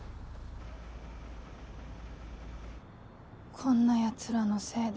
こんなヤツらのせいで。